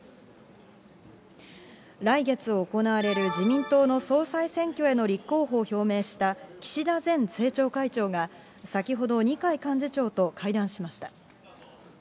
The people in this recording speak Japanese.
来月行われる自民党の総裁選挙への立候補を表明した岸田前政調会長が、先ほど二階幹事長と会談しました。